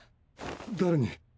誰に？